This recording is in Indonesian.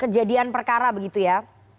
kejadian perkara begitu ya